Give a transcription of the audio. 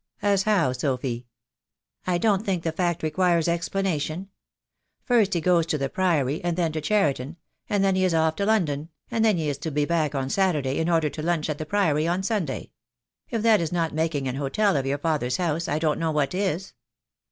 "As how, Sophy?" "I don't think the fact requires explanation. First he goes to the Priory, and then to Cheriton, and then he is off to London, and then he is to be back on Saturday in order to lunch at the Priory on Sunday. If that is not making an hotel of your father's house I don't know what is."